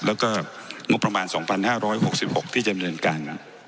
แล้วก็งบประมาณ๒๕๖๖ที่ดำเนินการ